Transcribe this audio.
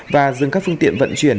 và dừng các phương tiện vận chuyển